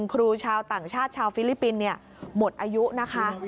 ครูชาวต่างชาติชาวฟิลิปปินส์หมดอายุนะคะ